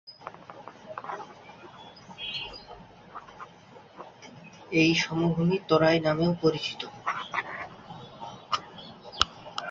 এই সমভূমি তরাই নামেও পরিচিত।